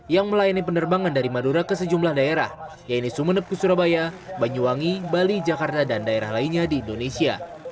yang melayani penerbangan dari madura ke sejumlah daerah yaitu sumeneb ke surabaya banyuwangi bali jakarta dan daerah lainnya di indonesia